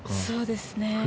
そうですね。